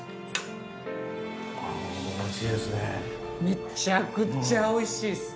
めちゃくちゃおいしいっす。